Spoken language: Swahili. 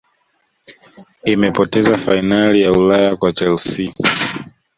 imepoteza fainali ya Ulaya kwa chelsea